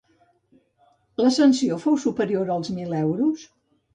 La sanció fou superior als mil euros?